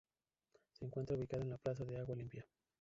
Se encuentra ubicado en la plaza del Agua Limpia.